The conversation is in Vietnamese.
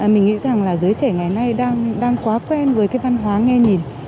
mình nghĩ rằng là giới trẻ ngày nay đang quá quen với cái văn hóa nghe nhìn